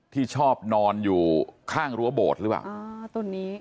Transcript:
ที่ชอบนอนอยู่ข้างรั้วโบดหรือเปล่า